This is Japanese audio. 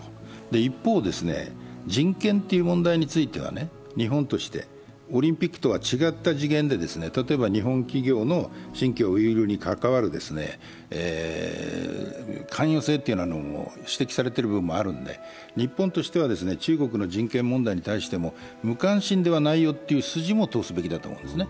一方、人権という問題については日本としてオリンピックとは違った次元で、例えば日本企業の新疆ウイグルに関わる関与性というのも指摘されている部分もあるので、日本としては中国の人権問題についても、無関心ではないよという筋もあるべきですよね。